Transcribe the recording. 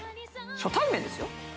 初対面ですよ。